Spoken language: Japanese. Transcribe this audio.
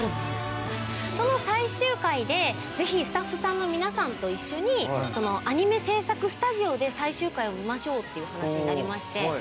その最終回でぜひスタッフさんの皆さんと一緒にアニメ制作スタジオで最終回を見ましょうっていう話になりまして。